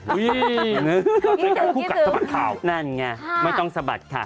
คิดถึงคิดถึงคุกัดสะบัดข่าวนั่นไงไม่ต้องสะบัดค่ะ